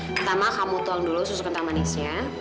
pertama kamu tuang dulu susu kental manisnya